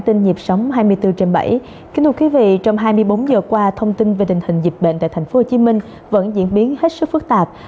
trong hai mươi bốn giờ qua thông tin về tình hình dịch bệnh tại tp hcm vẫn diễn biến hết sức phức tạp